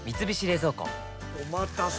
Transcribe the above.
おまたせ！